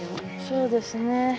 そうですね。